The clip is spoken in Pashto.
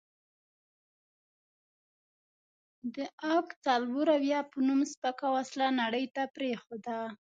د اک څلوراویا په نوم سپکه وسله نړۍ ته پرېښوده.